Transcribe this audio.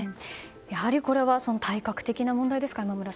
やはりこれは体格的な問題ですかね。